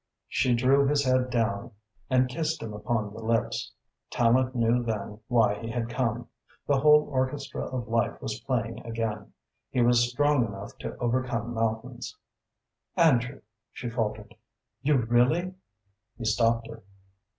She drew his head down and kissed him upon the lips. Tallente knew then why he had come. The whole orchestra of life was playing again. He was strong enough to overcome mountains. "Andrew," she faltered, "you really " He stopped her.